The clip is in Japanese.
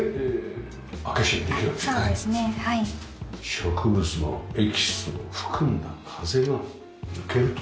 植物のエキスを含んだ風が抜けると。